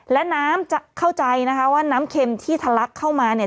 และน้ำจะเข้าใจนะคะว่าน้ำเข็มที่ทะลักเข้ามาเนี่ย